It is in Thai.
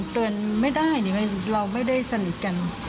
เตือนไม่ได้เราไม่ได้สนิทกัน